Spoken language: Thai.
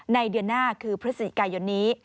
ในเดือนหน้าคือพฤศจิกายนนี้